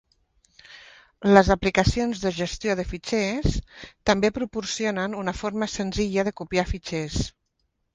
Les aplicacions de gestió de fitxers també proporcionen una forma senzilla de copiar fitxers.